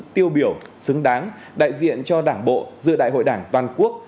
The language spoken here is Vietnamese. tiêu biểu xứng đáng đại diện cho đảng bộ dự đại hội đảng toàn quốc